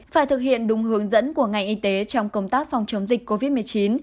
phải thực hiện đúng hướng dẫn của ngành y tế trong công tác phòng chống dịch covid một mươi chín